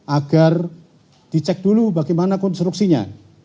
agar dicek dulu bagaimana konstruksinya